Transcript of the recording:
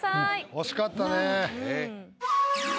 惜しかったね。